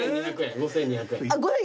５，２００円。